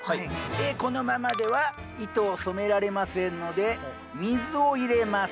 このままでは糸を染められませんので水を入れます。